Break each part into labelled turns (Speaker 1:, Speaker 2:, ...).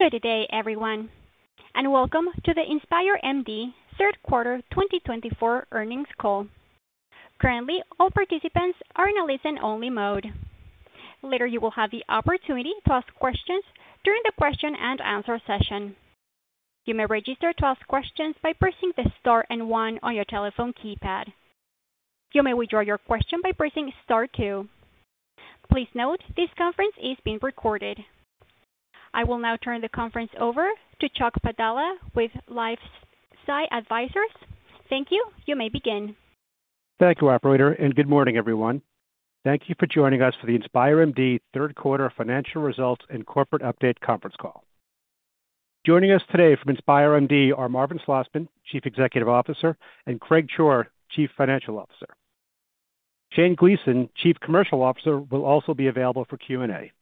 Speaker 1: Good day, everyone, and welcome to the InspireMD Third Quarter 2024 Earnings Call. Currently, all participants are in a listen-only mode. Later, you will have the opportunity to ask questions during the question and answer session. You may register to ask questions by pressing the star and one on your telephone keypad. You may withdraw your question by pressing star two. Please note this conference is being recorded. I will now turn the conference over to Chuck Padala with LifeSci Advisors. Thank you. You may begin.
Speaker 2: Thank you, Operator, and good morning, everyone. Thank you for joining us for the InspireMD Third Quarter Financial Results and Corporate Update Conference Call. Joining us today from InspireMD are Marvin Slosman, Chief Executive Officer, and Craig Shore, Chief Financial Officer. Shane Gleason, Chief Commercial Officer, will also be available for Q&A.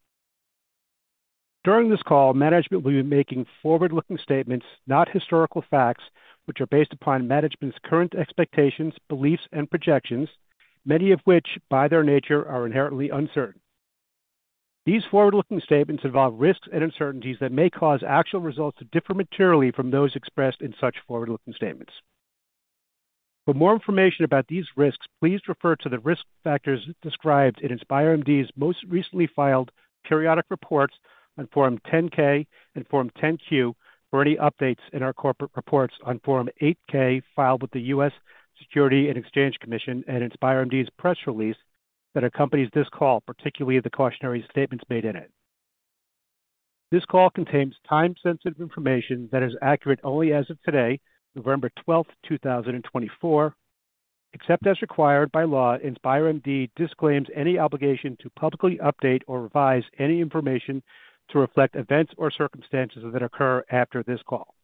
Speaker 2: During this call, management will be making forward-looking statements, not historical facts, which are based upon management's current expectations, beliefs, and projections, many of which, by their nature, are inherently uncertain. These forward-looking statements involve risks and uncertainties that may cause actual results to differ materially from those expressed in such forward-looking statements. For more information about these risks, please refer to the risk factors described in InspireMD's most recently filed periodic reports on Form 10-K and Form 10-Q for any updates in our corporate reports on Form 8-K filed with the U.S. Securities and Exchange Commission and InspireMD's press release that accompanies this call, particularly the cautionary statements made in it. This call contains time-sensitive information that is accurate only as of today, November 12th, 2024, except as required by law. InspireMD disclaims any obligation to publicly update or revise any information to reflect events or circumstances that occur after this call.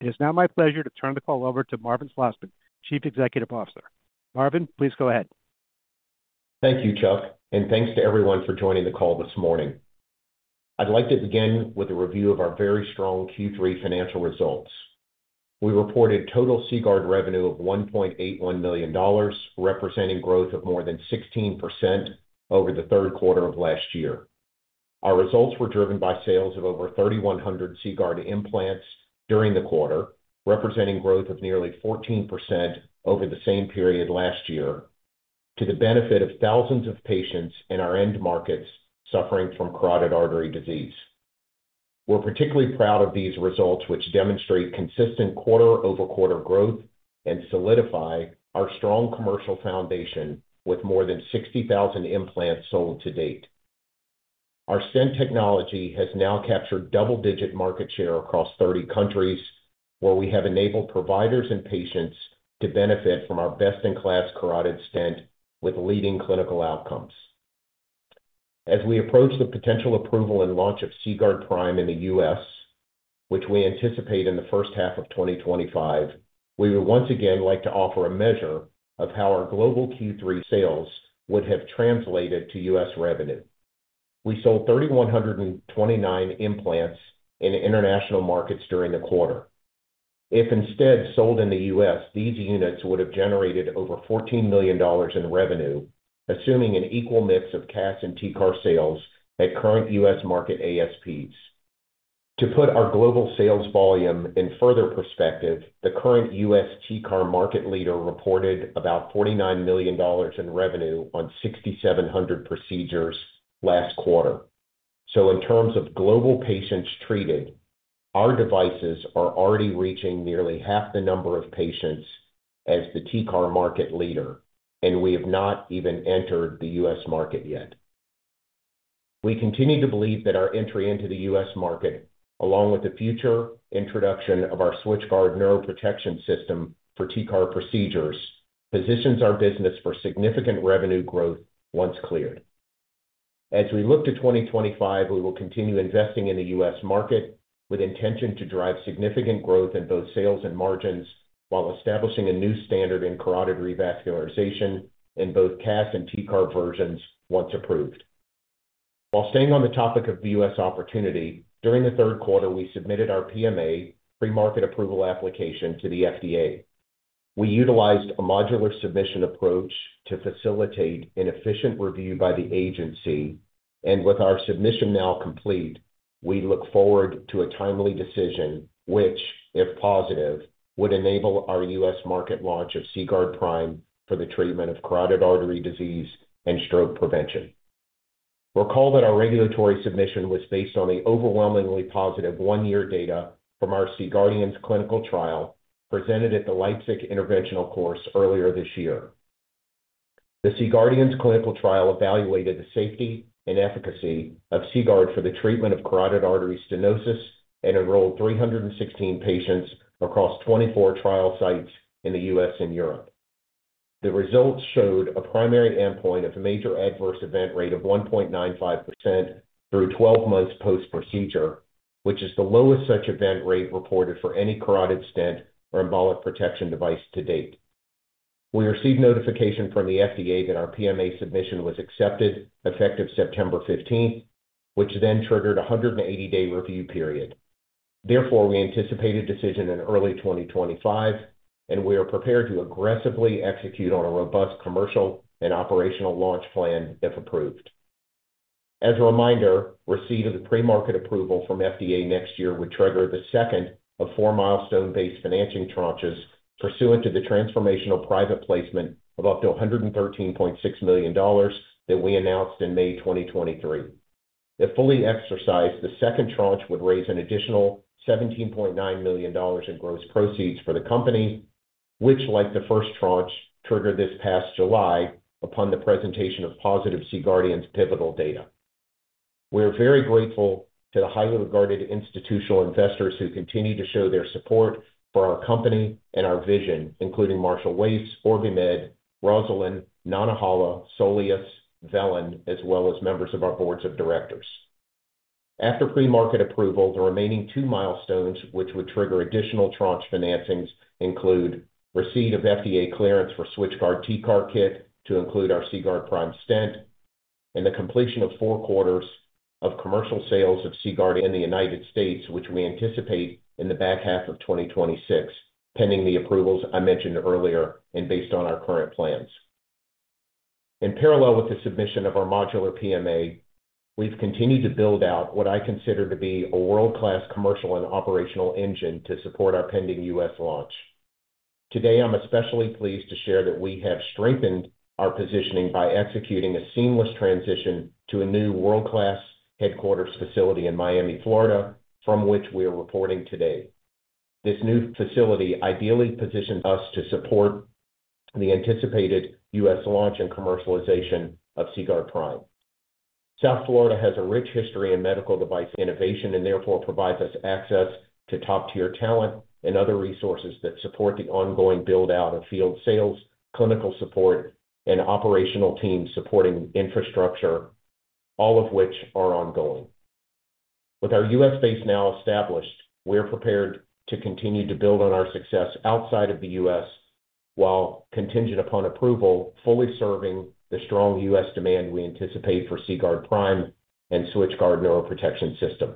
Speaker 2: It is now my pleasure to turn the call over to Marvin Slosman, Chief Executive Officer. Marvin, please go ahead.
Speaker 3: Thank you, Chuck, and thanks to everyone for joining the call this morning. I'd like to begin with a review of our very strong Q3 financial results. We reported total CGuard revenue of $1.81 million, representing growth of more than 16% over the third quarter of last year. Our results were driven by sales of over 3,100 CGuard implants during the quarter, representing growth of nearly 14% over the same period last year, to the benefit of thousands of patients in our end markets suffering from carotid artery disease. We're particularly proud of these results, which demonstrate consistent quarter-over-quarter growth and solidify our strong commercial foundation with more than 60,000 implants sold to date. Our stent technology has now captured double-digit market share across 30 countries, where we have enabled providers and patients to benefit from our best-in-class carotid stent with leading clinical outcomes. As we approach the potential approval and launch of CGuard Prime in the U.S., which we anticipate in the first half of 2025, we would once again like to offer a measure of how our global Q3 sales would have translated to U.S. revenue. We sold 3,129 implants in international markets during the quarter. If instead sold in the U.S., these units would have generated over $14 million in revenue, assuming an equal mix of CAS and TCAR sales at current U.S. market ASPs. To put our global sales volume in further perspective, the current U.S. TCAR market leader reported about $49 million in revenue on 6,700 procedures last quarter. So, in terms of global patients treated, our devices are already reaching nearly half the number of patients as the TCAR market leader, and we have not even entered the U.S. market yet. We continue to believe that our entry into the U.S. market, along with the future introduction of our SwitchGuard Neuroprotection System for TCAR procedures, positions our business for significant revenue growth once cleared. As we look to 2025, we will continue investing in the U.S. market with intention to drive significant growth in both sales and margins while establishing a new standard in carotid revascularization in both CAS and TCAR versions once approved. While staying on the topic of the U.S. opportunity, during the third quarter, we submitted our PMA pre-market approval application to the FDA. We utilized a modular submission approach to facilitate an efficient review by the agency, and with our submission now complete, we look forward to a timely decision which, if positive, would enable our U.S. market launch of CGuard Prime for the treatment of carotid artery disease and stroke prevention. Recall that our regulatory submission was based on the overwhelmingly positive one-year data from our C-GUARDIANS clinical trial presented at the Leipzig Interventional Course earlier this year. The C-GUARDIANS clinical trial evaluated the safety and efficacy of CGuard for the treatment of carotid artery stenosis and enrolled 316 patients across 24 trial sites in the U.S. and Europe. The results showed a primary endpoint of a major adverse event rate of 1.95% through 12 months post-procedure, which is the lowest such event rate reported for any carotid stent or embolic protection device to date. We received notification from the FDA that our PMA submission was accepted, effective September 15th, which then triggered a 180-day review period. Therefore, we anticipate a decision in early 2025, and we are prepared to aggressively execute on a robust commercial and operational launch plan if approved. As a reminder, receipt of the pre-market approval from FDA next year would trigger the second of four milestone-based financing tranches pursuant to the transformational private placement of up to $113.6 million that we announced in May 2023. If fully exercised, the second tranche would raise an additional $17.9 million in gross proceeds for the company, which, like the first tranche, triggered this past July upon the presentation of positive C-GUARDIANS pivotal data. We are very grateful to the highly regarded institutional investors who continue to show their support for our company and our vision, including Marshall Wace, OrbiMed, Rosalind, Nantahala, Soleus, Velan, as well as members of our boards of directors. After Pre-Market Approval, the remaining two milestones which would trigger additional tranche financings include receipt of FDA clearance for SwitchGuard TCAR kit to include our CGuard Prime stent and the completion of four quarters of commercial sales of CGuard in the United States, which we anticipate in the back half of 2026, pending the approvals I mentioned earlier and based on our current plans. In parallel with the submission of our modular PMA, we've continued to build out what I consider to be a world-class commercial and operational engine to support our pending U.S. launch. Today, I'm especially pleased to share that we have strengthened our positioning by executing a seamless transition to a new world-class headquarters facility in Miami, Florida, from which we are reporting today. This new facility ideally positions us to support the anticipated U.S. launch and commercialization of CGuard Prime. South Florida has a rich history in medical device innovation and therefore provides us access to top-tier talent and other resources that support the ongoing build-out of field sales, clinical support, and operational teams supporting infrastructure, all of which are ongoing. With our U.S. base now established, we are prepared to continue to build on our success outside of the U.S. while contingent upon approval, fully serving the strong U.S. demand we anticipate for CGuard Prime and SwitchGuard neuroprotection system.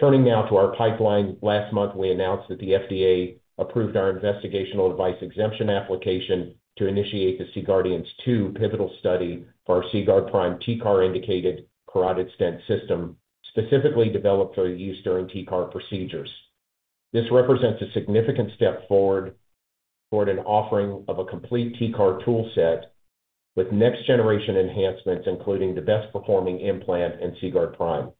Speaker 3: Turning now to our pipeline, last month we announced that the FDA approved our investigational device exemption application to initiate the C-GUARDIANS II pivotal study for our CGuard Prime TCAR indicated carotid stent system, specifically developed for use during TCAR procedures. This represents a significant step forward toward an offering of a complete TCAR toolset with next-generation enhancements, including the best-performing implant and CGuard Prime.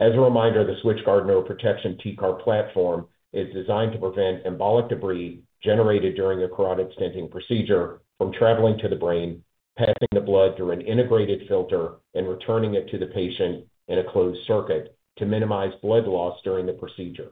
Speaker 3: As a reminder, the SwitchGuard neuroprotection TCAR platform is designed to prevent embolic debris generated during a carotid stenting procedure from traveling to the brain, passing the blood through an integrated filter, and returning it to the patient in a closed circuit to minimize blood loss during the procedure.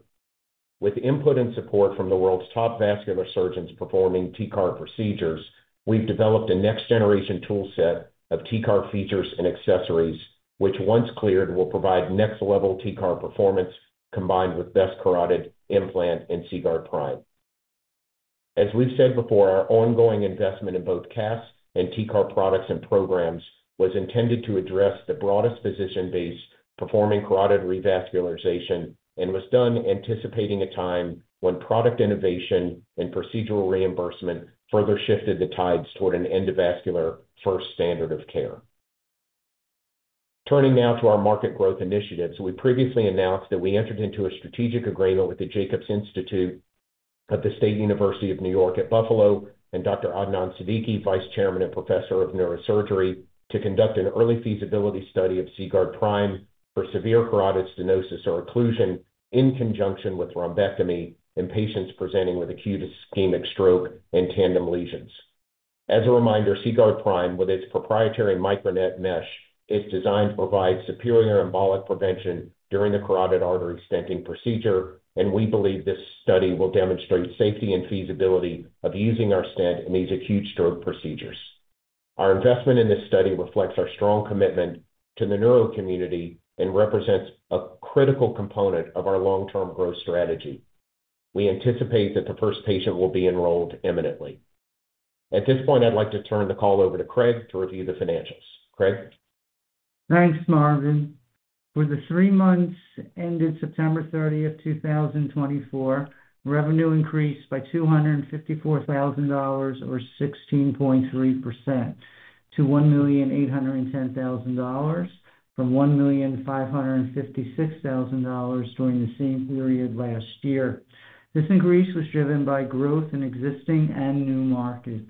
Speaker 3: With input and support from the world's top vascular surgeons performing TCAR procedures, we've developed a next-generation toolset of TCAR features and accessories, which, once cleared, will provide next-level TCAR performance combined with best carotid implant and CGuard Prime. As we've said before, our ongoing investment in both CAS and TCAR products and programs was intended to address the broadest physician base performing carotid revascularization and was done anticipating a time when product innovation and procedural reimbursement further shifted the tides toward an endovascular first standard of care. Turning now to our market growth initiatives, we previously announced that we entered into a strategic agreement with the Jacobs Institute of the State University of New York at Buffalo and Dr. Adnan Siddiqui, Vice Chairman and Professor of Neurosurgery, to conduct an early feasibility study of CGuard Prime for severe carotid stenosis or occlusion in conjunction with thrombectomy in patients presenting with acute ischemic stroke and tandem lesions. As a reminder, CGuard Prime, with its proprietary MicroNet mesh, is designed to provide superior embolic prevention during the carotid artery stenting procedure, and we believe this study will demonstrate safety and feasibility of using our stent in these acute stroke procedures. Our investment in this study reflects our strong commitment to the neuro community and represents a critical component of our long-term growth strategy. We anticipate that the first patient will be enrolled imminently. At this point, I'd like to turn the call over to Craig to review the financials. Craig.
Speaker 4: Thanks, Marvin. For the three months ended September 30th, 2024, revenue increased by $254,000 or 16.3% to $1,810,000 from $1,556,000 during the same period last year. This increase was driven by growth in existing and new markets.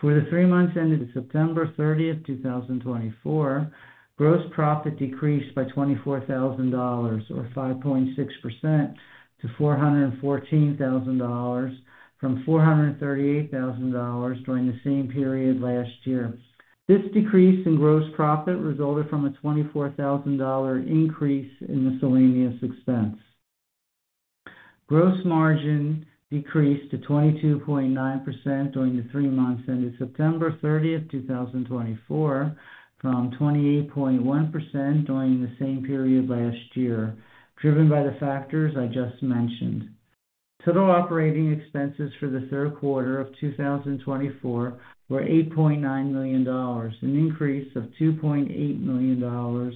Speaker 4: For the three months ended September 30th, 2024, gross profit decreased by $24,000 or 5.6% to $414,000 from $438,000 during the same period last year. This decrease in gross profit resulted from a $24,000 increase in the cost of sales expense. Gross margin decreased to 22.9% during the three months ended September 30th, 2024, from 28.1% during the same period last year, driven by the factors I just mentioned. Total operating expenses for the third quarter of 2024 were $8.9 million, an increase of $2.8 million or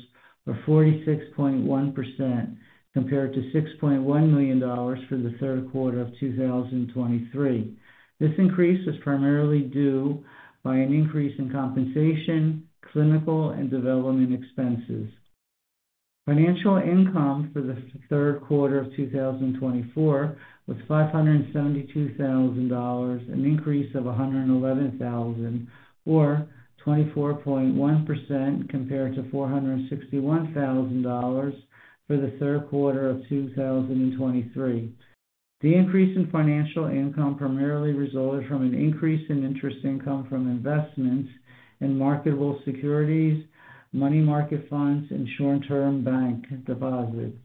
Speaker 4: 46.1% compared to $6.1 million for the third quarter of 2023. This increase was primarily due to an increase in compensation, clinical, and development expenses. Financial income for the third quarter of 2024 was $572,000, an increase of $111,000 or 24.1% compared to $461,000 for the third quarter of 2023. The increase in financial income primarily resulted from an increase in interest income from investments in marketable securities, money market funds, and short-term bank deposits.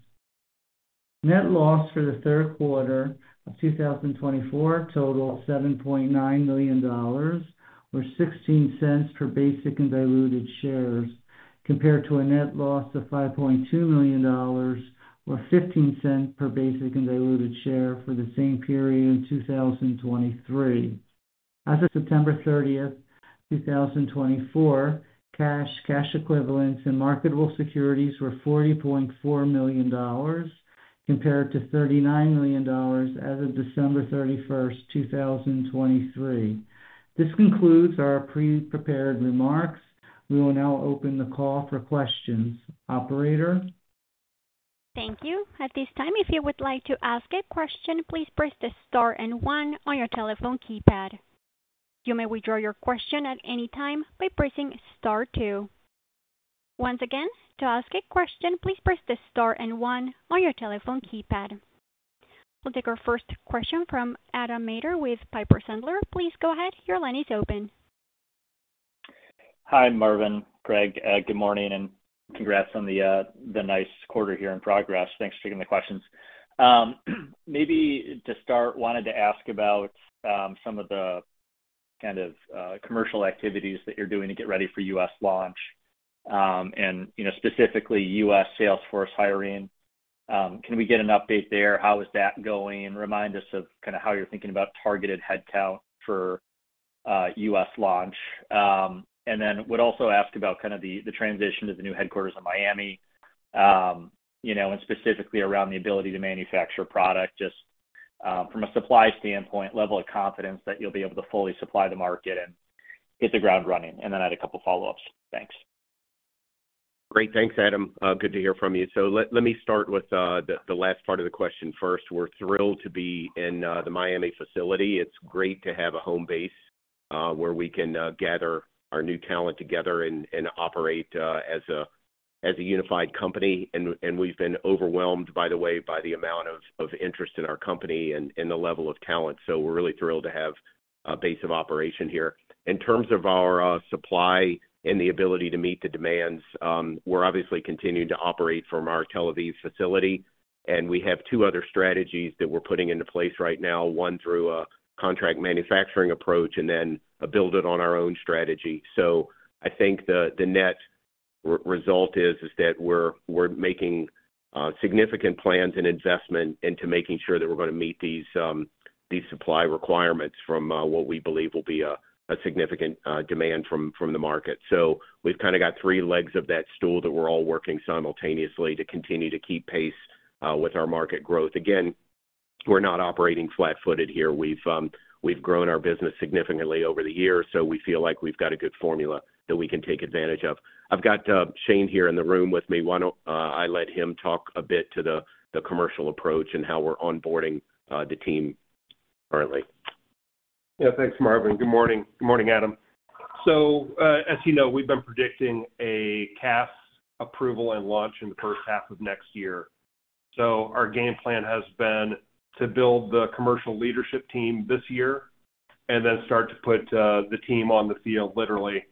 Speaker 4: Net loss for the third quarter of 2024 totaled $7.9 million or 16 cents per basic and diluted shares compared to a net loss of $5.2 million or 15 cents per basic and diluted share for the same period in 2023. As of September 30th, 2024, cash, cash equivalents, and marketable securities were $40.4 million compared to $39 million as of December 31st, 2023. This concludes our pre-prepared remarks. We will now open the call for questions. Operator.
Speaker 1: Thank you. At this time, if you would like to ask a question, please press the star and one on your telephone keypad. You may withdraw your question at any time by pressing star two. Once again, to ask a question, please press the star and one on your telephone keypad. We'll take our first question from Adam Maeder with Piper Sandler. Please go ahead. Your line is open.
Speaker 5: Hi, Marvin. Craig, good morning and congrats on the nice quarter here in progress. Thanks for taking the questions. Maybe to start, wanted to ask about some of the kind of commercial activities that you're doing to get ready for U.S. launch and specifically U.S. sales force hiring. Can we get an update there? How is that going? Remind us of kind of how you're thinking about targeted headcount for U.S. launch. And then would also ask about kind of the transition to the new headquarters in Miami and specifically around the ability to manufacture product just from a supply standpoint, level of confidence that you'll be able to fully supply the market and hit the ground running. And then I had a couple of follow-ups. Thanks.
Speaker 3: Great. Thanks, Adam. Good to hear from you. So let me start with the last part of the question first. We're thrilled to be in the Miami facility. It's great to have a home base where we can gather our new talent together and operate as a unified company. And we've been overwhelmed, by the way, by the amount of interest in our company and the level of talent. So we're really thrilled to have a base of operation here. In terms of our supply and the ability to meet the demands, we're obviously continuing to operate from our Tel Aviv facility. And we have two other strategies that we're putting into place right now, one through a contract manufacturing approach and then a build-it-on-our-own strategy. So I think the net result is that we're making significant plans and investment into making sure that we're going to meet these supply requirements from what we believe will be a significant demand from the market. So we've kind of got three legs of that stool that we're all working simultaneously to continue to keep pace with our market growth. Again, we're not operating flat-footed here. We've grown our business significantly over the years, so we feel like we've got a good formula that we can take advantage of. I've got Shane here in the room with me. Why don't I let him talk a bit to the commercial approach and how we're onboarding the team currently?
Speaker 6: Yeah. Thanks, Marvin. Good morning. Good morning, Adam. So as you know, we've been predicting a CAS approval and launch in the first half of next year. So our game plan has been to build the commercial leadership team this year and then start to put the team on the field literally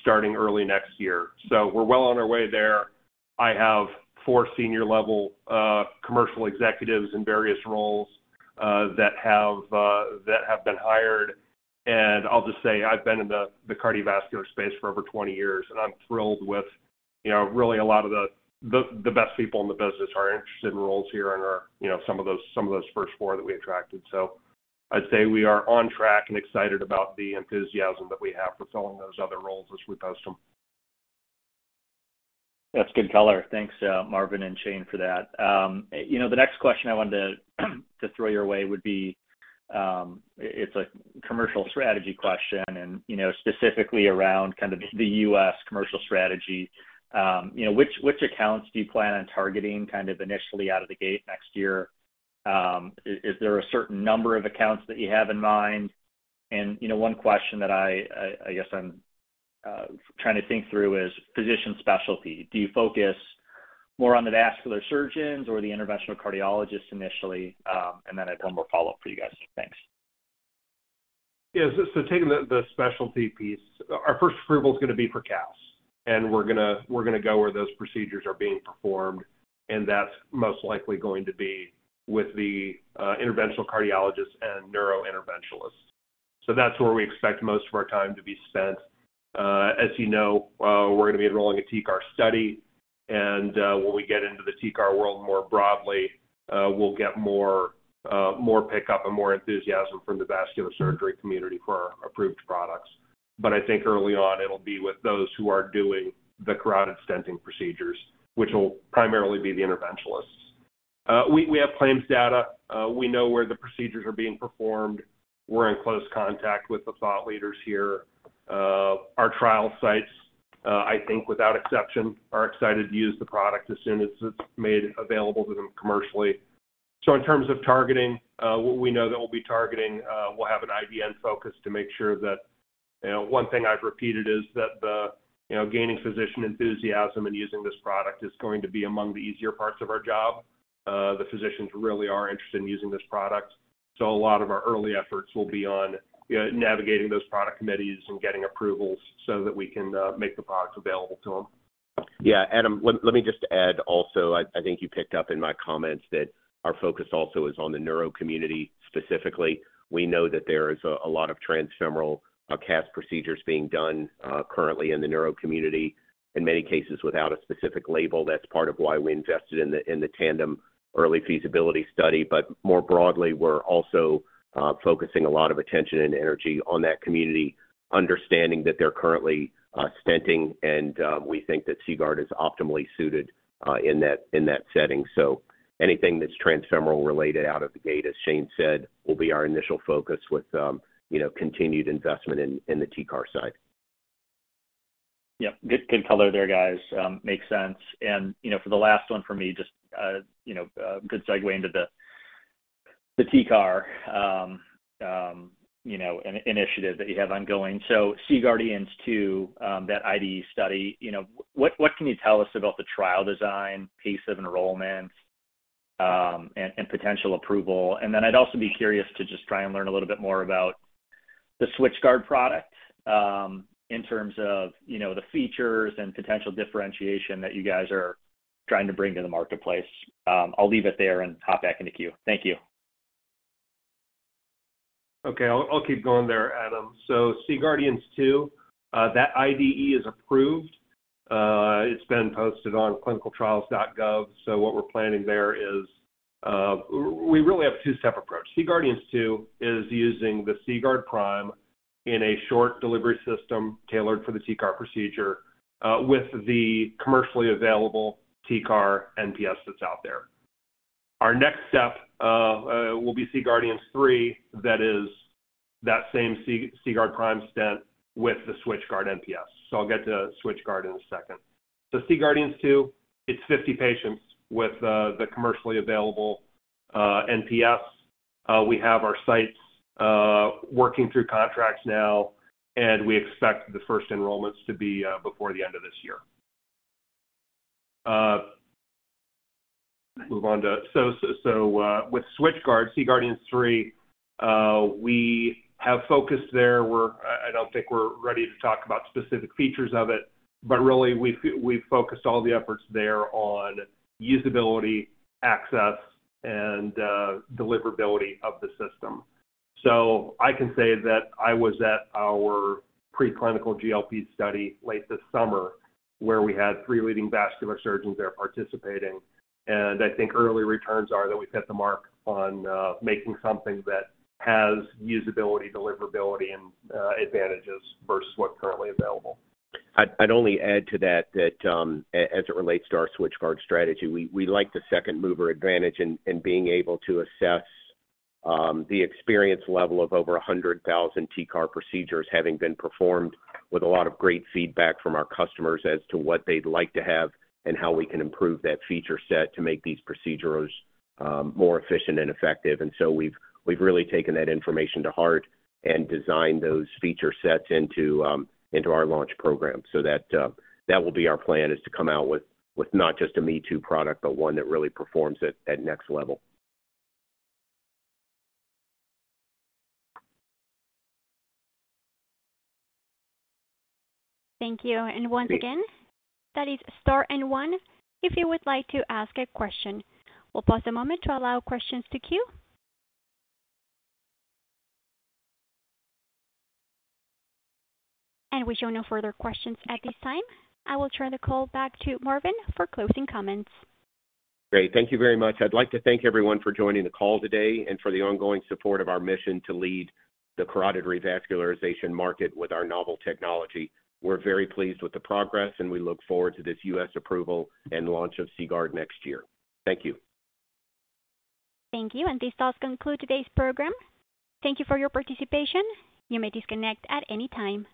Speaker 6: starting early next year. So we're well on our way there. I have four senior-level commercial executives in various roles that have been hired. And I'll just say I've been in the cardiovascular space for over 20 years, and I'm thrilled with really a lot of the best people in the business who are interested in roles here and are some of those first four that we attracted. So I'd say we are on track and excited about the enthusiasm that we have for filling those other roles as we post them.
Speaker 5: That's good color. Thanks, Marvin and Shane, for that. The next question I wanted to throw your way would be it's a commercial strategy question and specifically around kind of the U.S. commercial strategy. Which accounts do you plan on targeting kind of initially out of the gate next year? Is there a certain number of accounts that you have in mind? And one question that I guess I'm trying to think through is physician specialty. Do you focus more on the vascular surgeons or the interventional cardiologists initially? And then I have one more follow-up for you guys. Thanks.
Speaker 6: Yeah. So taking the specialty piece, our first approval is going to be for CAS, and we're going to go where those procedures are being performed. And that's most likely going to be with the interventional cardiologists and neuro-interventionalists. So that's where we expect most of our time to be spent. As you know, we're going to be enrolling a TCAR study. And when we get into the TCAR world more broadly, we'll get more pickup and more enthusiasm from the vascular surgery community for approved products. But I think early on, it'll be with those who are doing the carotid stenting procedures, which will primarily be the interventionalists. We have claims data. We know where the procedures are being performed. We're in close contact with the thought leaders here. Our trial sites, I think without exception, are excited to use the product as soon as it's made available to them commercially. So in terms of targeting, we know that we'll be targeting. We'll have an IDN focus to make sure that one thing I've repeated is that the gaining physician enthusiasm and using this product is going to be among the easier parts of our job. The physicians really are interested in using this product. So a lot of our early efforts will be on navigating those product committees and getting approvals so that we can make the product available to them.
Speaker 3: Yeah. Adam, let me just add also, I think you picked up in my comments that our focus also is on the neuro community specifically. We know that there is a lot of transfemoral CAS procedures being done currently in the neuro community, in many cases without a specific label. That's part of why we invested in the tandem early feasibility study. But more broadly, we're also focusing a lot of attention and energy on that community, understanding that they're currently stenting, and we think that CGuard is optimally suited in that setting. So anything that's transfemoral related out of the gate, as Shane said, will be our initial focus with continued investment in the TCAR side.
Speaker 5: Yep. Good color there, guys. Makes sense. And for the last one for me, just a good segue into the TCAR initiative that you have ongoing. So C-GUARDIANS II, that IDE study, what can you tell us about the trial design, pace of enrollment, and potential approval? And then I'd also be curious to just try and learn a little bit more about the SwitchGuard product in terms of the features and potential differentiation that you guys are trying to bring to the marketplace. I'll leave it there and hop back into queue. Thank you.
Speaker 6: Okay. I'll keep going there, Adam. So C-GUARDIANS II, that IDE is approved. It's been posted on clinicaltrials.gov. So what we're planning there is we really have a two-step approach. C-GUARDIANS II is using the CGuard Prime in a short delivery system tailored for the TCAR procedure with the commercially available TCAR NPS that's out there. Our next step will be C-GUARDIANS II, that is that same CGuard Prime stent with the SwitchGuard NPS. So I'll get to SwitchGuard in a second. So C-GUARDIANS II, it's 50 patients with the commercially available NPS. We have our sites working through contracts now, and we expect the first enrollments to be before the end of this year. Move on to so with SwitchGuard, C-GUARDIANS II, we have focused there. I don't think we're ready to talk about specific features of it, but really, we've focused all the efforts there on usability, access, and deliverability of the system, so I can say that I was at our preclinical GLP study late this summer where we had three leading vascular surgeons there participating, and I think early returns are that we've hit the mark on making something that has usability, deliverability, and advantages versus what's currently available.
Speaker 3: I'd only add to that that as it relates to our SwitchGuard strategy, we like the second-mover advantage in being able to assess the experience level of over 100,000 TCAR procedures having been performed with a lot of great feedback from our customers as to what they'd like to have and how we can improve that feature set to make these procedures more efficient and effective, and so we've really taken that information to heart and designed those feature sets into our launch program, so that will be our plan is to come out with not just a me-too product, but one that really performs at next level.
Speaker 1: Thank you. And once again, that is star and one. If you would like to ask a question, we'll pause a moment to allow questions to queue. And we show no further questions at this time. I will turn the call back to Marvin for closing comments.
Speaker 3: Great. Thank you very much. I'd like to thank everyone for joining the call today and for the ongoing support of our mission to lead the carotid revascularization market with our novel technology. We're very pleased with the progress, and we look forward to this U.S. approval and launch of CGuard next year. Thank you.
Speaker 1: Thank you. And this does conclude today's program. Thank you for your participation. You may disconnect at any time.